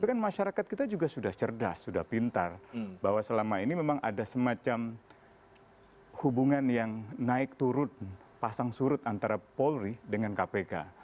tapi kan masyarakat kita juga sudah cerdas sudah pintar bahwa selama ini memang ada semacam hubungan yang naik turun pasang surut antara polri dengan kpk